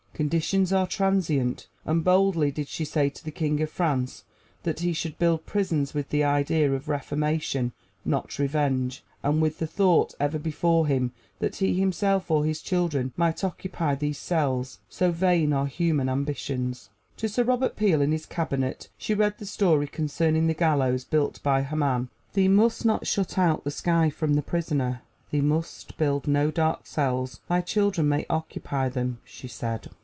Conditions are transient, and boldly did she say to the King of France that he should build prisons with the idea of reformation, not revenge, and with the thought ever before him that he himself or his children might occupy these cells so vain are human ambitions. To Sir Robert Peel and his Cabinet she read the story concerning the gallows built by Haman. "Thee must not shut out the sky from the prisoner; thee must build no dark cells thy children may occupy them," she said.